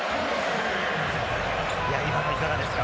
今の、いかがですか？